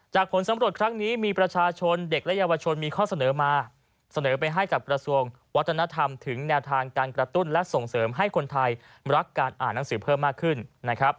ผลสำรวจครั้งนี้มีประชาชนเด็กและเยาวชนมีข้อเสนอมาเสนอไปให้กับกระทรวงวัฒนธรรมถึงแนวทางการกระตุ้นและส่งเสริมให้คนไทยรักการอ่านหนังสือเพิ่มมากขึ้นนะครับ